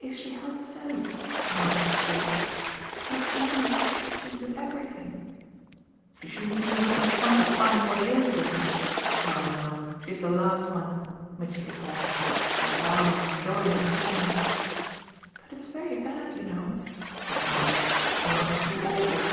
"If she held so," Nanda pursued, "that marriage should do everything !" "She shouldn't be in such a funk at finding what it IS doing? Oh no, she's the last one!" Mitchy declared. "I vow I enjoy her scare." "But it's very bad, you know," said Nanda. "Oh too awful!"